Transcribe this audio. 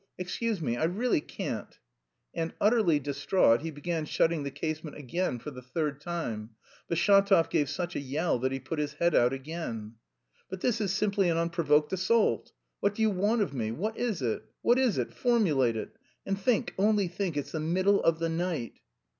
Excuse me, I really can't..." And utterly distraught he began shutting the casement again for the third time, but Shatov gave such a yell that he put his head out again. "But this is simply an unprovoked assault! What do you want of me, what is it, what is it, formulate it? And think, only think, it's the middle of the night!"